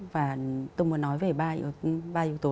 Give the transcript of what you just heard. và tôi muốn nói về ba yếu tố